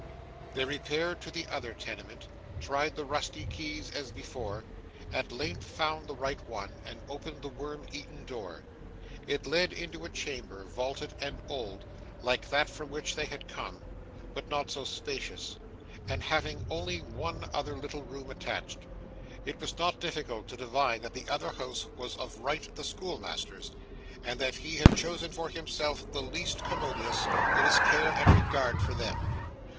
They repaired to the other tenement; tried the rusty keys as before; at length found the right one; and opened the worm eaten door. It led into a chamber, vaulted and old, like that from which they had come, but not so spacious, and having only one other little room attached. It was not difficult to divine that the other house was of right the schoolmaster's, and that he had chosen for himself the least commodious, in his care and regard for them.